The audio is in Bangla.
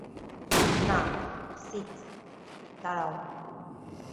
না, সিক্স, দাঁড়াও।